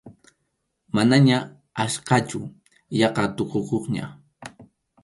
Manaña achkachu, yaqa tukukuqña.